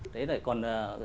đấy là còn